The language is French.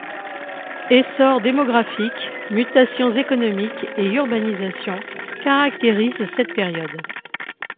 Essor démographique, mutations économiques et urbanisation caractérisent cette période.